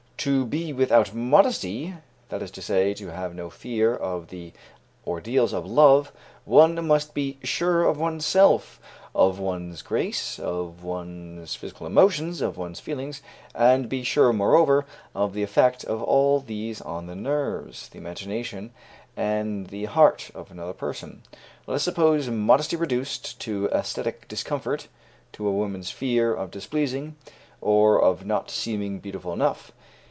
To be without modesty, that is to say, to have no fear of the ordeals of love, one must be sure of one's self, of one's grace, of one's physical emotions, of one's feelings, and be sure, moreover, of the effect of all these on the nerves, the imagination, and the heart of another person. Let us suppose modesty reduced to æsthetic discomfort, to a woman's fear of displeasing, or of not seeming beautiful enough.